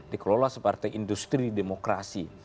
dikelola seperti industri demokrasi